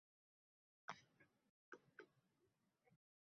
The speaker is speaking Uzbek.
Eng koʻp ovoz olgan ishtirokchi aksiya gʻolibi deb eʼlon qilinadi.